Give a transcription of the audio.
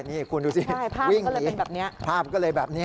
นี่คุณดูสิวิ่งหนีภาพก็เลยแบบนี้